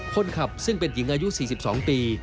คนขับซึ่งเป็นหญิงอายุ๔๒ปี